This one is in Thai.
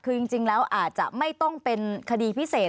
คือจริงแล้วอาจจะไม่ต้องเป็นคดีพิเศษ